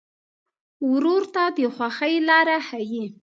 ورور ته د خوښۍ لاره ښيي.